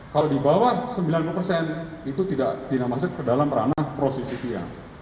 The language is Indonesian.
kalau di bawah sembilan puluh persen itu tidak masuk ke dalam ranah proses ct